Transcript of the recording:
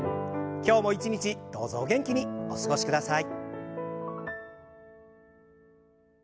今日も一日どうぞお元気にお過ごしください。